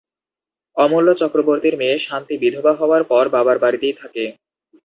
অমূল্য চক্রবর্তীর মেয়ে শান্তি বিধবা হওয়ার পর বাবার বাড়িতেই থাকে।